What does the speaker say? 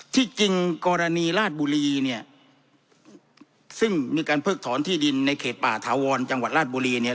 ที่จริงกรณีราชบุรีเนี่ยซึ่งมีการเพิกถอนที่ดินในเขตป่าถาวรจังหวัดราชบุรีเนี่ย